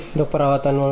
untuk perawatan uang